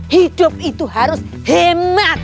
hidup itu harus hemat